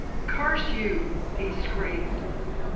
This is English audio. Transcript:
"Curse you!" he screamed.